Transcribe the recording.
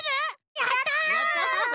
やった！